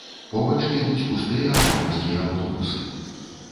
Побач едуць пустыя амапаўскія аўтобусы.